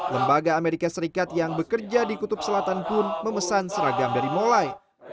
lembaga amerika serikat yang bekerja di kutub selatan pun memesan seragam dari mulai